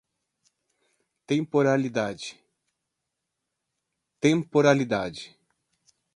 temporalidade